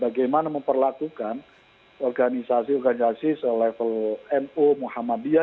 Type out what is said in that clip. bagaimana memperlakukan organisasi organisasi selevel nu muhammadiyah